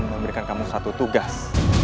aku akan memberikan kamu satu tugas